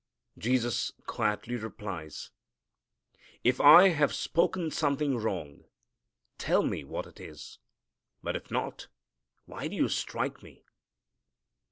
Jesus quietly replies, "If I have spoken something wrong tell me what it is, but if not, why do you strike Me?"